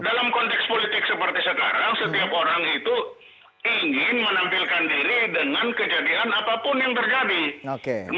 dalam konteks politik seperti sekarang setiap orang itu ingin menampilkan diri dengan kejadian apapun yang terjadi